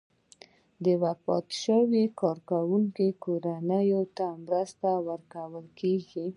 د وفات شوي کارکوونکي کورنۍ ته مرسته ورکول کیږي.